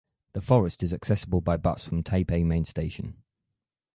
The forest is accessible by bus from Taipei Main Station.